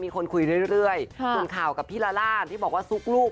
มีคนคุยเรื่อยตรงค่ากับพี่ราร่านที่บอกว่าสุกลูก